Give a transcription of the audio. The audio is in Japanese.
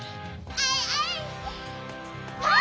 あいあい。